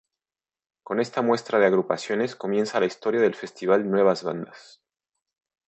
Con esta muestra de agrupaciones, comienza la historia del Festival Nuevas Bandas.